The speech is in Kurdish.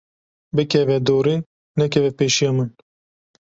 Bikeve dorê, nekeve pêşiya min.